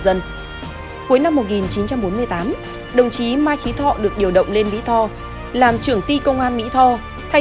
dân cuối năm một nghìn chín trăm bốn mươi tám đồng chí mai trí thọ được điều động lên bí thư làm trưởng ti công an mỹ tho thay